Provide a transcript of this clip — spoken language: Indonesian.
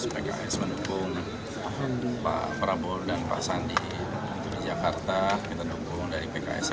pks mendukung pak prabowo dan pak sandi untuk jakarta kita dukung dari pks